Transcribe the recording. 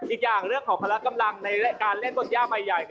อีกอย่างเรื่องของพละกำลังในการเล่นบนย่าใหม่